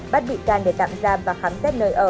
bắt bị can để tạm giam và khám xét nơi ở